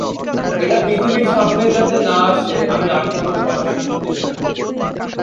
এটা পৃথিবীর সামনে যাতে না আসে আমি আটকানোর যথাসাধ্য চেষ্টা করব।